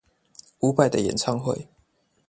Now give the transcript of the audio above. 伍佰的演唱會